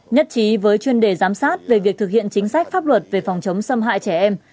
nhất trí với chuyên đề giám sát về việc thực hiện chính sách pháp luật về phòng chống xâm hại trẻ em